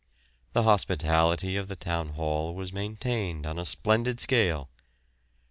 The hospitality of the Town Hall was maintained on a splendid scale.